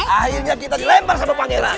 akhirnya kita dilempar sama pangeran